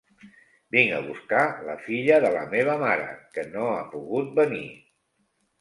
Vinc a buscar la filla de la meva mare, que no ha pogut venir.